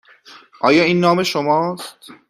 آیا این نام شما است؟